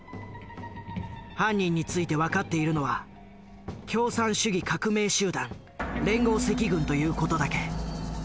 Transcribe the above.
犯人について分かっているのは共産主義革命集団という事だけ。